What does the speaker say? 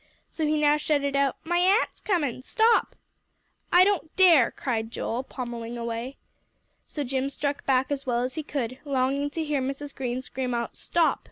So he now shouted out, "My a'nt's comin'. Stop!" "I don't care," cried Joel, pommelling away. So Jim struck back as well as he could, longing to hear Mrs. Green scream out, "Stop!"